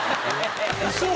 ウソ？